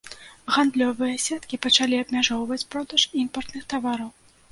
Гандлёвыя сеткі пачалі абмяжоўваць продаж імпартных тавараў.